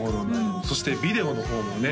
そしてビデオの方もね